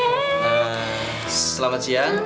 nah selamat siang